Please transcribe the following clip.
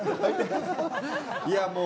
いやもう。